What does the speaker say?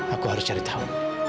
aku harus cari tahu